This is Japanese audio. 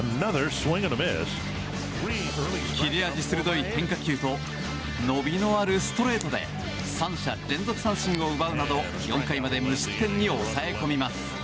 切れ味鋭い変化球と伸びのあるストレートで３者連続三振を奪うなど４回まで無失点に抑え込みます。